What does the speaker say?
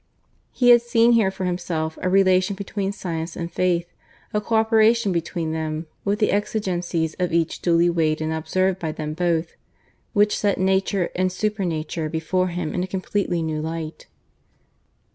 He had seen here for himself a relation between Science and Faith a co operation between them, with the exigencies of each duly weighed and observed by them both which set Nature and Supernature before him in a completely new light.